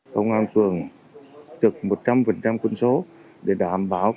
trước diễn biến phức tạp của dịch bệnh covid một mươi chín trên địa bàn quận một mươi hai nói riêng